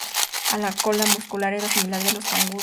La larga cola muscular era similar a la de los canguros.